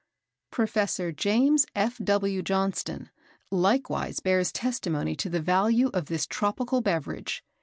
Professor James F. W. Johnston likewise bears testimony to the value of this tropical beverage.